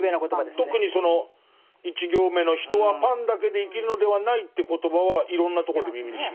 特にその１行目の「人はパンだけで生きるのではない」って言葉はいろんなとこで耳にします。